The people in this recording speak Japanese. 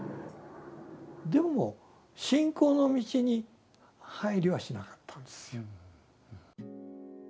でも信仰の道に入りはしなかったんですよ。